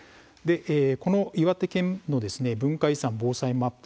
この岩手県の文化遺産防災マップ